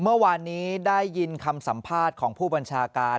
เมื่อวานนี้ได้ยินคำสัมภาษณ์ของผู้บัญชาการ